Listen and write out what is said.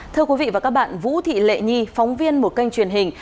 thưa quý vị và các bạn vũ thị lệ nhi phóng viên một kênh truyền hình